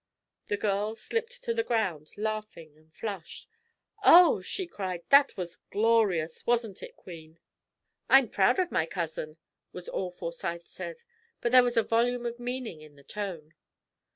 The girl slipped to the ground, laughing and flushed. "Oh!" she cried, "that was glorious, wasn't it, Queen?" "I'm proud of my cousin," was all Forsyth said; but there was a volume of meaning in the tone.